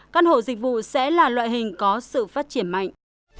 căn hộ dịch vụ sẽ là loại hình có sự phát triển mạnh